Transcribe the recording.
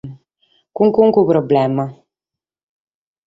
Cun carchi problema.